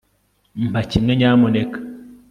mpa kimwe, nyamuneka